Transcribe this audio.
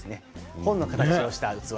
本の形をした器。